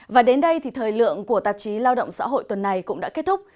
và đến đây thì thời lượng của tạp chí lao động xã hội tuần này cũng đã kết thúc